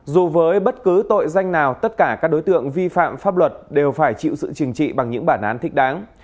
dù với bất cứ tội danh nào tất cả các đối tượng vi phạm pháp luật đều phải chịu sự chừng trị bằng những bản án thích đáng